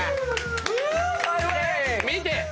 見て！